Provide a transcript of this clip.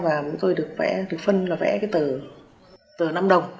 và mỗi người được vẽ được phân là vẽ cái tờ tờ năm đồng